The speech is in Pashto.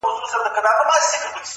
هم له ژوندیو- هم قبرونو سره لوبي کوي-